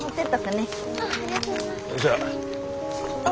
じゃあ。